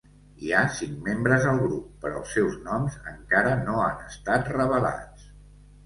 Hi ha cinc membres al grup, però els seus noms encara no han estat revelats.